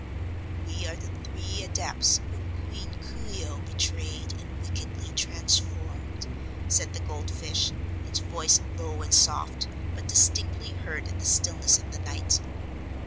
"We are the three Adepts whom Queen Coo ee oh betrayed and wickedly transformed," said the goldfish, its voice low and soft but distinctly heard in the stillness of the night.